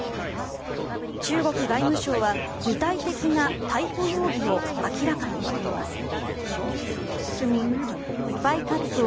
中国外務省は具体的な逮捕容疑を明らかにしていません。